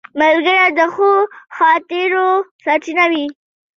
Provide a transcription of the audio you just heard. ملګری د ښو خاطرو سرچینه وي